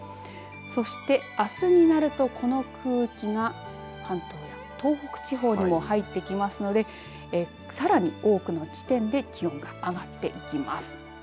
そして、あすになるとこの空気が関東や東北地方にも入ってきますのでさらに多くの地点で気温が上がっていきます。